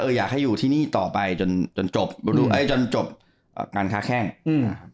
อยากให้อยู่ที่นี่ต่อไปจนจนจบเอ้ยจนจบอ่างานค้าแข้งอืม